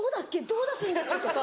どう出すんだっけ？とか。